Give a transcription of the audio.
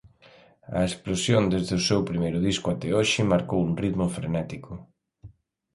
A explosión desde o seu primeiro disco até hoxe marcou un ritmo frenético.